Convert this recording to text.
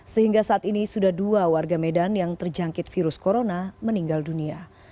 sehingga saat ini sudah dua warga medan yang terjangkit virus corona meninggal dunia